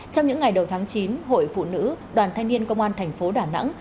trong những ngày đầu tháng chín hội phụ nữ đoàn thanh niên công an thành phố đà nẵng